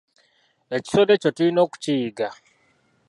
Ekisolo ekyo tulina okukiyigga.